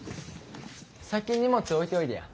先荷物置いておいでや。